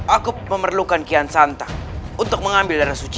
aku memerlukan kian santa untuk mengambil darah suci